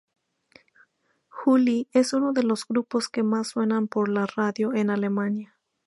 Juli es uno de los grupos que más suenan por la radio en Alemania.